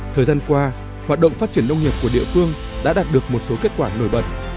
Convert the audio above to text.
thời gian qua hoạt động phát triển nông nghiệp của địa phương đã đạt được một số kết quả nổi bật